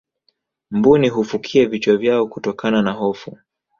mbuni hufukia vichwa vyao kutokana na hofu